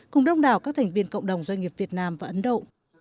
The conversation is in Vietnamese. cùng đông đảo các thành viên cộng đồng doanh nghiệp việt nam và ấn độ